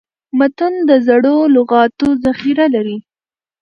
متون د زړو لغاتو ذخیره لري.